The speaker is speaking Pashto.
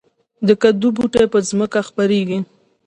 د کدو بوټی په ځمکه خپریږي